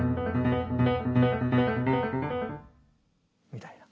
みたいな。